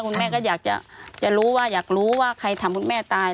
คุณแม่ก็อยากจะรู้ว่าอยากรู้ว่าใครทำคุณแม่ตาย